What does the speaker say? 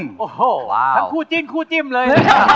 โอ้โหทั้งคู่จิ้นคู่จิ้มเลย